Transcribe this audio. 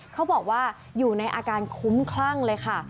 เขาบอกว่าอยู่ในอาการคุ้มคลั่งเลยค่ะ